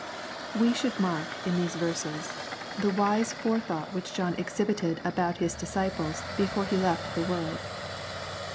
We should mark, in these verses, the wise fore thought which John exhibited about his disciples, before he left the world.